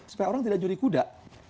supaya orang tidak curi kuda